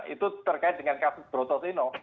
itu terkait dengan kasus broto sino